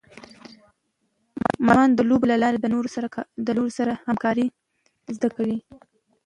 ماشومان د لوبو له لارې د نورو سره همکارۍ زده کوي.